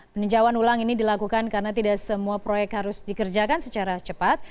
peninjauan ulang ini dilakukan karena tidak semua proyek harus dikerjakan secara cepat